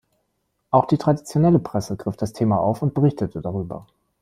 Auch die traditionelle Presse griff das Thema auf und berichtete darüber.